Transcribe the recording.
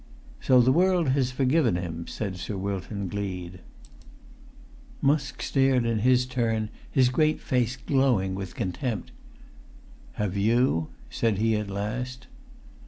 "So the world has forgiven him," said Sir Wilton Gleed. Musk stared in his turn, his great face glowing with contempt. "Have you?" said he at last.